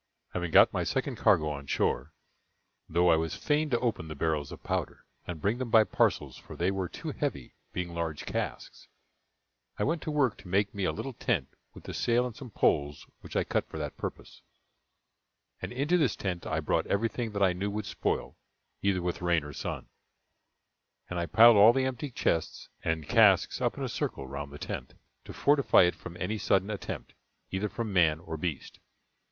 Having got my second cargo on shore though I was fain to open the barrels of powder, and bring them by parcels, for they were too heavy, being large casks I went to work to make me a little tent with the sail and some poles which I cut for that purpose, and into this tent I brought everything that I knew would spoil either with rain or sun; and I piled all the empty chests and casks up in a circle round the tent, to fortify it from any sudden attempt, either from man or beast.